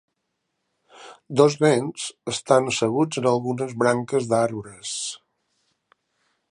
Dos nens estan asseguts en algunes branques d'arbres.